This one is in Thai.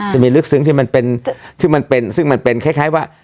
จะมีลึกซึ้งที่มันเป็นซึ่งมันเป็นคล้ายว่า